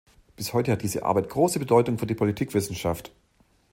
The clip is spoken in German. Bis heute hat diese Arbeit große Bedeutung für die Politikwissenschaft.